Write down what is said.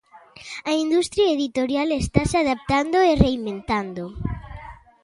A industria editorial estase adaptando e reinventando.